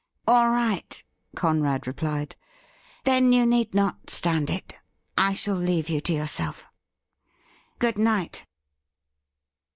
' All right,' Conrad replied ;' then you need not stand it. I shall leave you to yourself. Good night.'